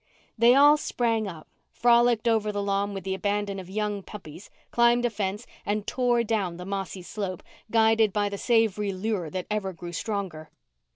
They all sprang up, frolicked over the lawn with the abandon of young puppies, climbed a fence, and tore down the mossy slope, guided by the savory lure that ever grew stronger.